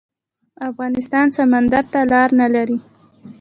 افغانستان سمندر ته لاره نلري